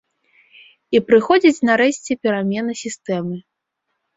І прыходзіць нарэшце перамена сістэмы.